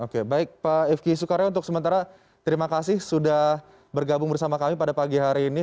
oke baik pak ifki soekarya untuk sementara terima kasih sudah bergabung bersama kami pada pagi hari ini